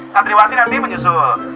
santriwati nanti menyusul